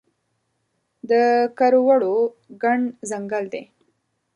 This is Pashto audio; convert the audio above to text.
د کروړو ګڼ ځنګل دی